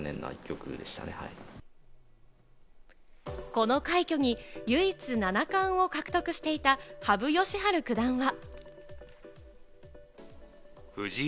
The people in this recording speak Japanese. この快挙に唯一、七冠を獲得していた羽生善治九段は。